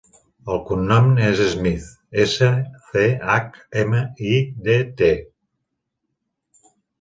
El cognom és Schmidt: essa, ce, hac, ema, i, de, te.